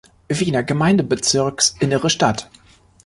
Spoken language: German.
Wiener Gemeindebezirks Innere Stadt.